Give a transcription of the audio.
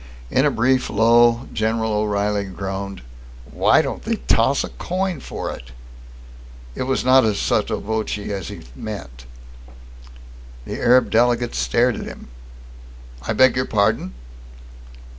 In a brief lull, General O'Reilly groaned: "Why don't they toss a coin for it?" It was not as sotto voce as he meant. The Arab delegate stared at him. "I beg your pardon!"